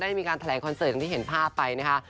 ได้มีการแถลงคอนเสิร์ตอย่างที่เห็นภาพไปนะคะ